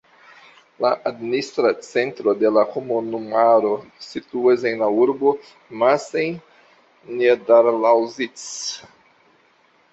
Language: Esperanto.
La administra centro de la komunumaro situas en la urbo Massen-Niederlausitz.